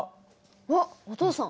あっお父さん。